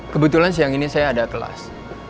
kebetulan siang ini saya ada kelas